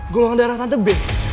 golongan darah tante b